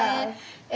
え